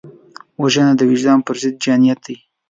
وژنه د وجدان پر ضد جنایت دی